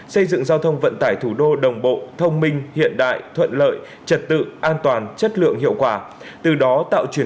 xây dựng giao thông vận tải thủ đô đồng bộ thông minh hiện đại thuận lợi trật tự an toàn chất lượng hiệu quả